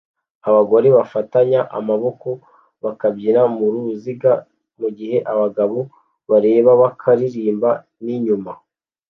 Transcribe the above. Abagore bafatanya amaboko bakabyina muruziga mugihe abagabo bareba bakaririmba ninyuma